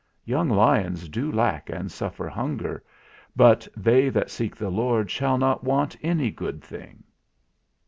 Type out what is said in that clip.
_Young lions do lack and suffer hunger, but they that seek the Lord shall not want any good thing.